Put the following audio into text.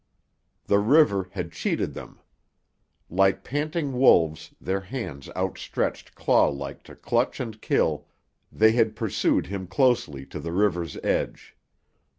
The river had cheated them. Like panting wolves, their hands outstretched claw like to clutch and kill, they had pursued him closely to the river's edge.